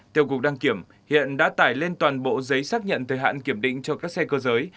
theo cục đăng kiểm hiện đã tải lên toàn bộ giấy xác nhận thời hạn kiểm định cho các xe cơ giới